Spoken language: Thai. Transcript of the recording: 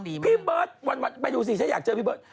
พี่เบิ้ลต์วันไปอยู่สิฉันอยากเจอพี่เบิ้ลต์